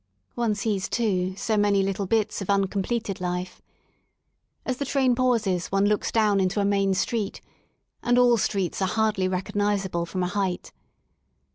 One sees, too, so many little bits of un completed life. As the train pauses one looks down into a main street — and all streets are hardly recognizable from a height.